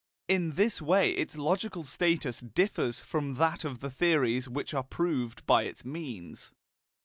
In this way its logical status differs from that of the theories which are proved by its means.